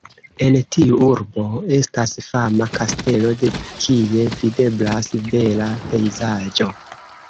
En tiu urbo estas fama kastelo de kie videblas bela pejzaĝo.